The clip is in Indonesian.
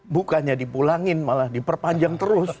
bukannya dipulangin malah diperpanjang terus